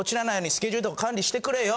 スケジュールとか管理してくれよ